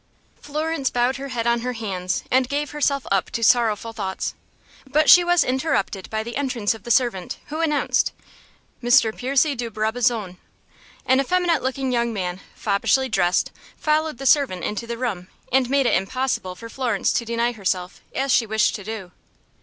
Florence bowed her head on her hands, and gave herself up to sorrowful thoughts. But she was interrupted by the entrance of the servant, who announced: "Mr. Percy de Brabazon." An effeminate looking young man, foppishly dressed, followed the servant into the room, and made it impossible for Florence to deny herself, as she wished to do.